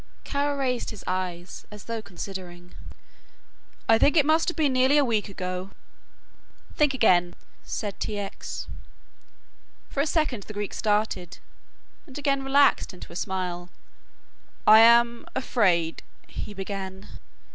Kara raised his eyes as though considering. "I think it must have been nearly a week ago." "Think again," said T. X. For a second the Greek started and again relaxed into a smile. "I am afraid," he began.